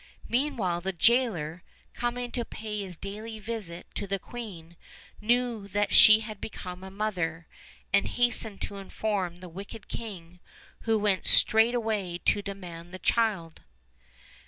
Meanwhile the jailer, coming to pay his daily visit to the queen, knew that she had become a mother, and hastened to inform the wicked king, who went straight way to demand the child.